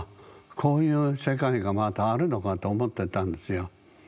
こういう世界がまだあるのかと思ってたんですよ。